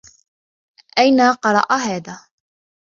أين قرأ هذا؟